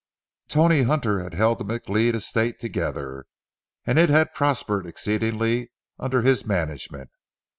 Tony Hunter had held the McLeod estate together, and it had prospered exceedingly under his management.